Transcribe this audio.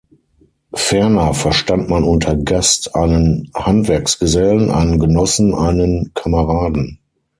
Ferner verstand man unter „Gast“ einen Handwerksgesellen, einen Genossen, einen Kameraden.